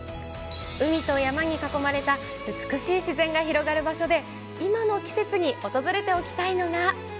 海と山に囲まれた美しい自然が広がる場所で、今の季節に訪れておきたいのが。